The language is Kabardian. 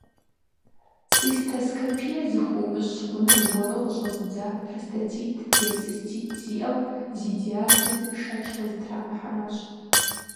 Цистоскопие зыхуумыщӏ хъунур уэру къыщӏэзыдза простатит е цистит зиӏэу, зи диагнозым шэч къызытрамыхьэращ.